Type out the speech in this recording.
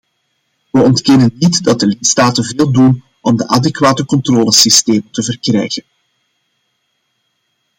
We ontkennen niet dat de lidstaten veel doen om adequate controlesystemen te verkrijgen.